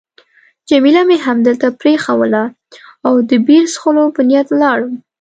جميله مې همدلته پرېښووله او د بیر څښلو په نیت ولاړم.